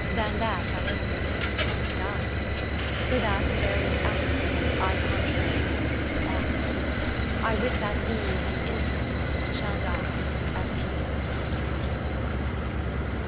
Than that I only liv'd and died. VII So that in various accidents I Conscience may, and Honour, keep; I with that ease and innocence Shall die, as infants go to sleep.